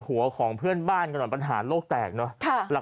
หัวของเพื่อนบ้านกันหน่อยปัญหาโลกแตกเนอะ